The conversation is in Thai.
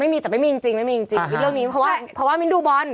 ไม่มีแต่ไม่มีจริงเรื่องนี้เพราะว่ามินดูบอล